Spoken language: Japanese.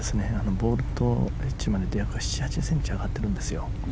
ボールとエッジまで約７８ｃｍ上がってるんですよ。